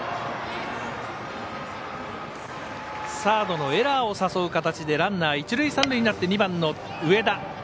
サードのエラーを誘う形でランナー、一塁三塁になって２番の上田。